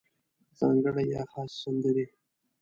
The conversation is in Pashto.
ځانګړې یا خاصې سندرې